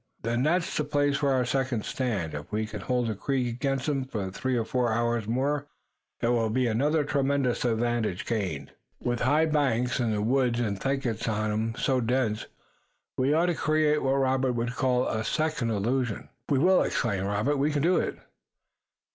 "Then that's the place for our second stand. If we can hold the creek against 'em for three or four hours more it will be another tremendous advantage gained. With high banks and the woods and thickets on 'em so dense, we ought to create what Robert would call a second illusion." "We will!" exclaimed Robert. "We can do it!"